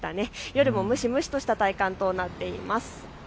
夜も蒸し蒸しとした体感となっています。